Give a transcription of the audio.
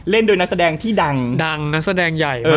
เล่นโดยนักแสดงที่ดังนักแสดงใหญ่